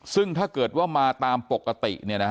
ซึ่งถ้าเกิดว่ามาตามปกติเนี่ยนะฮะ